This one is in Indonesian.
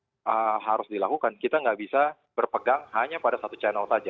itu juga salah satu yang harus dilakukan kita tidak bisa berpegang hanya pada satu channel saja